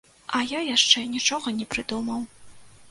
А я яшчэ нічога не прыдумаў.